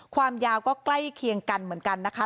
ความยาวก็ใกล้เคียงกันเหมือนกันนะคะ